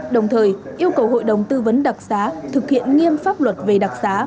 đồng thời yêu cầu hội đồng tư vấn đặc xá thực hiện nghiêm pháp luật về đặc xá